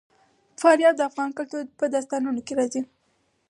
فاریاب د افغان کلتور په داستانونو کې راځي.